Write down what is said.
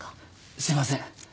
すいません。